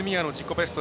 ベスト